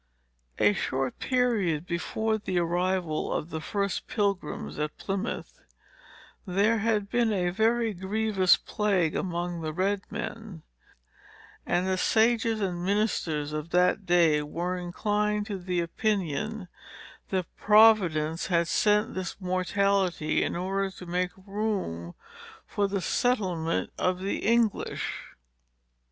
A short period before the arrival of the first Pilgrims at Plymouth, there had been a very grievous plague among the red men; and the sages and ministers of that day were inclined to the opinion, that Providence had sent this mortality, in order to make room for the settlement of the English.